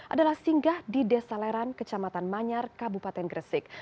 adalah singgah di desa leran kecamatan manyar kabupaten gresik